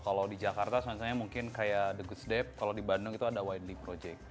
kalau di jakarta sebenarnya mungkin kayak the goods dep kalau di bandung itu ada winely project